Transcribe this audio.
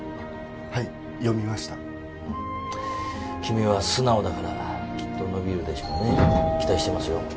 はい読みました君は素直だからきっと伸びるでしょう期待してますよ